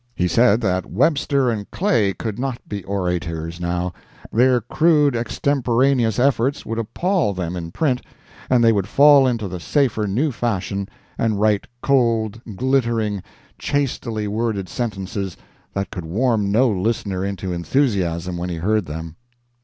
He said that Webster and Clay could not be orators, now—their crude extemporaneous efforts would appall them in print, and they would fall into the safer new fashion, and write cold, glittering, chastely worded sentences that could warm no listener into enthusiasm when he heard them.